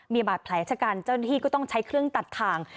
มีบาดแผลชะกันเจ้าหน้าที่ก็ต้องใช้เครื่องตัดทาง